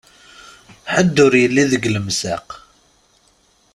Ḥedd ur yelli deg lemsaq.